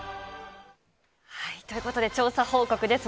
ということで、調査報告です。